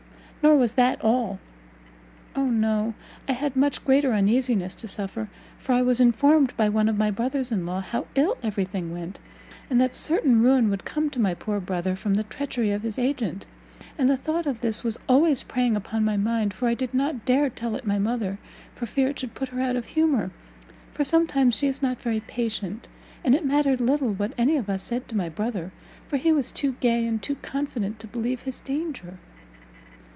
Nor was that all O no! I had much greater uneasiness to suffer; for I was informed by one of my brothers in law how ill every thing went, and that certain ruin would come to my poor brother from the treachery of his agent; and the thought of this was always preying upon my mind, for I did not dare tell it my mother, for fear it should put her out of humour, for, sometimes, she is not very patient; and it mattered little what any of us said to my brother, for he was too gay and too confident to believe his danger."